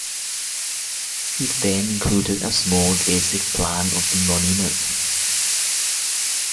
He then included a small, basic plan of the monument.